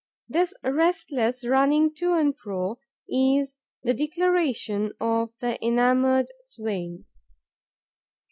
This restless running to and fro is the declaration of the enamoured swain.